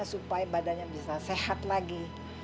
supaya badannya bisa sehat lagi